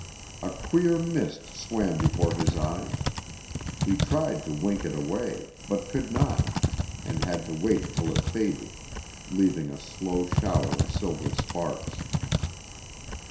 A queer mist swam before his eyes. He tried to wink it away, but could not, and had to wait till it faded, leaving a slow shower of silver sparks.